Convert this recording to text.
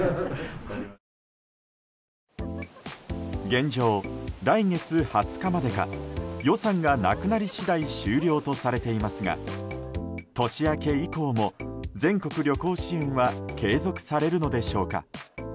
現状、来月２０日までか予算がなくなり次第終了とされていますが年明け以降も、全国旅行支援は継続されるのでしょうか。